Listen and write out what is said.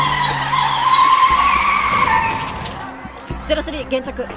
ゼロ３現着。